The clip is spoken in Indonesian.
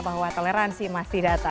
bahwa toleransi masih datang